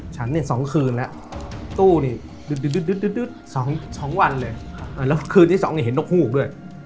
ฉันสองคืนแล้วตู้นี้สองวันเลยแล้วคืนนี่สองเห็นนกหูกด้วย